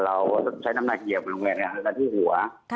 เราต้องใช้น้ำหนักเหยียบลงไปแล้วที่หัว